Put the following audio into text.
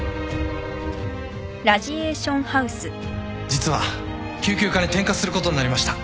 実は救急科に転科することになりました。